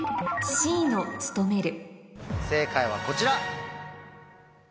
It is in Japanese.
正解はこちら。